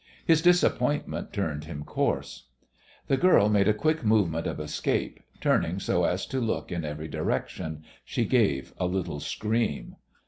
His disappointment turned him coarse. The girl made a quick movement of escape, turning so as to look in every direction. She gave a little scream.